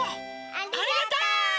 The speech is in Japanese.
ありがとう！